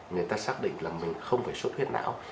người ta xác định là mình không phải sốt huyết não